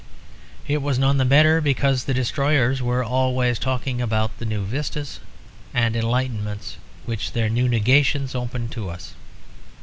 It was none the better because the destroyers were always talking about the new vistas and enlightenments which their new negations opened to us.